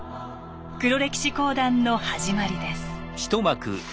黒歴史講談の始まりです。